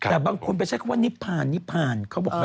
แต่บางคนไปใช้คำว่านิพาน